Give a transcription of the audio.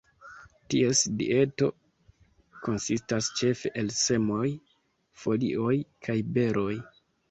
Ties dieto konsistas ĉefe el semoj, folioj kaj beroj.